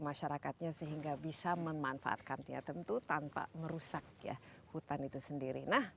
masyarakatnya sehingga bisa memanfaatkan ya tentu tanpa merusak ya hutan itu sendiri nah